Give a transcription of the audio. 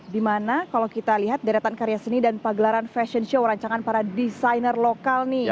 dimana kalau kita lihat deretan karya seni dan pagelaran fashion show rancangan para desainer lokal nih